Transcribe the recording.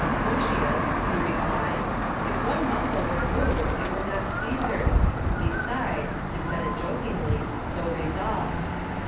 "Lucius," he replied, "if one muscle were moved it were not Caesar's : beside, he said it jokingly, though resolved."